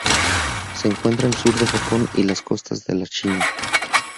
Se encuentra al sur del Japón y las costas de la China.